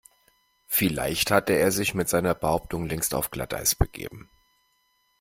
Vielleicht hatte er sich mit seiner Behauptung längst auf Glatteis begeben.